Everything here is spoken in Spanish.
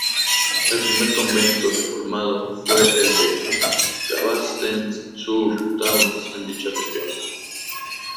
El primer convento reformado fue el de Rabastens-sur-Tarns, en dicha región.